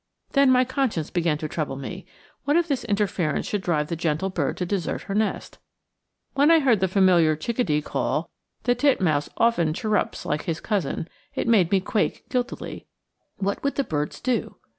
Then my conscience began to trouble me. What if this interference should drive the gentle bird to desert her nest? [Illustration: The Plain Titmouse in her Doorway.] When I heard the familiar chickadee call the titmouse often chirrups like his cousin it made me quake guiltily. What would the birds do?